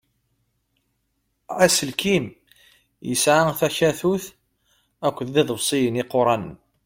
Aselkim yesɛa takatut akked iḍebṣiyen iquṛanen.